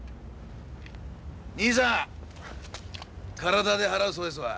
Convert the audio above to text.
兄さん体で払うそうですわ。